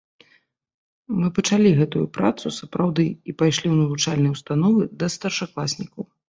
Мы пачалі гэтую працу, сапраўды, і пайшлі ў навучальныя ўстановы, да старшакласнікаў.